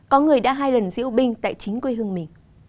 có người đã hai lần diễu binh tại chính quê hương mình